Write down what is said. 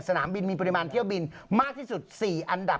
สนามบินมีปริมาณเที่ยวบินมากที่สุด๔อันดับ